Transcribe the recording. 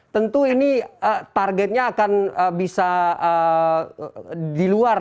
tentu ini targetnya akan bisa diluar